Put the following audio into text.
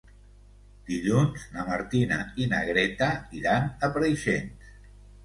Dilluns na Martina i na Greta iran a Preixens.